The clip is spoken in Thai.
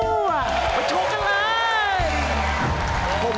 มาชูกันเลย